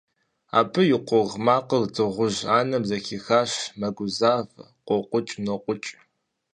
Абы и къугъ макъыр дыгъужь анэм зэхихащи, мэгузавэ, къокӀукӀ-нокӀукӀ.